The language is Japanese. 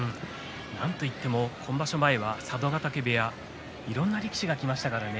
なんといっても今場所前は佐渡ヶ嶽部屋にはいろいろな力士がいましたからね。